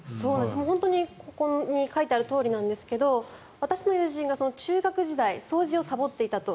本当にここに書いてあるとおりなんですが私の友人が中学時代に掃除をさぼっていたと。